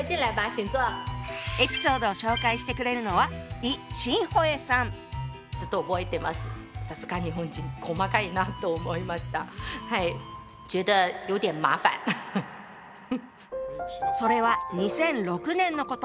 エピソードを紹介してくれるのはそれは２００６年のこと。